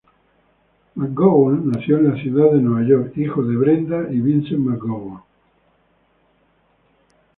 McGowan nació en la ciudad de Nueva York, hijo de Brenda y Vincent McGowan.